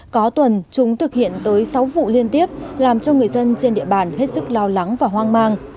có tuần chúng thực hiện tới sáu vụ liên tiếp làm cho người dân trên địa bàn hết sức lo lắng và hoang mang